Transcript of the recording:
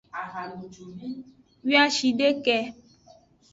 Wiashideke.